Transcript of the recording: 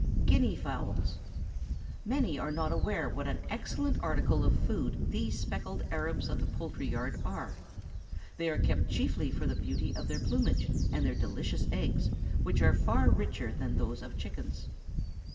GUINEA FOWLS. Many are not aware what an excellent article of food these speckled Arabs of the poultry yard are. They are kept chiefly for the beauty of their plumage, and their delicious eggs, which are far richer than those of chickens.